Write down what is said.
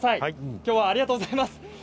きょうはありがとうございます。